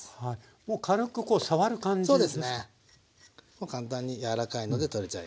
もう簡単に柔らかいので取れちゃいます。